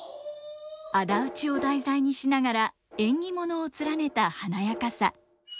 仇討ちを題材にしながら縁起物を連ねた華やかさ。